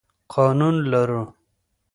قانون لرو.